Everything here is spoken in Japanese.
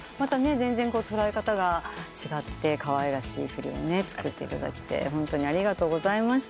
全然捉え方が違ってかわいらしい振りを作っていただけてホントにありがとうございました。